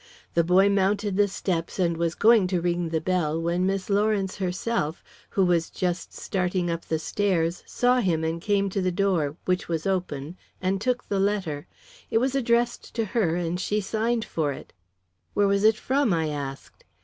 The boy mounted the steps and was going to ring the bell, when Miss Lawrence herself, who was just starting up the stairs, saw him and came to the door, which was open, and took the letter. It was addressed to her and she signed for it." "Where was it from?" I asked.